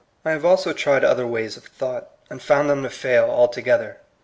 I have also tried other ways of thought, and found tliem to fail altogether.